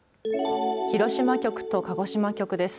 広島局と鹿児島局です。